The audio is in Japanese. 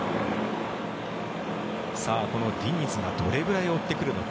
このディニズがどれぐらい追ってくるのか。